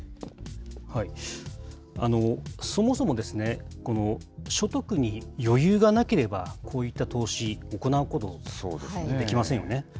そもそも所得に余裕がなければ、こういった投資、行うことできませんよね。